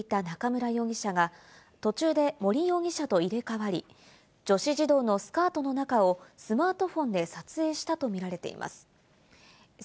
女子児童と２人で授業をしていた中村容疑者が途中で森容疑者と入れ替わり、女子児童のスカートの中をスマートフォンで撮影したとみられています。